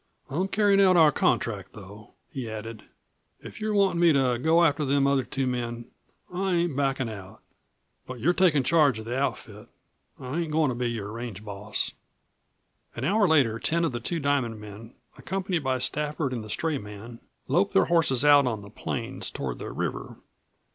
"I'm carryin' out our contract though," he added. "If you're wantin' me to go after them other two men, I ain't backin' out. But you're takin' charge of the outfit. I ain't goin' to be your range boss." An hour later ten of the Two Diamond men, accompanied by Stafford and the stray man, loped their horses out on the plains toward the river.